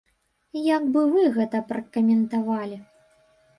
Як бы вы гэта пракаментавалі?